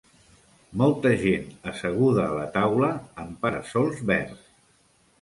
Molta gent asseguda a la taula amb para-sols verds.